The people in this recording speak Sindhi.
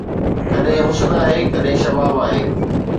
ڪڏهن حسن آهي، ڪڏهن شباب آهي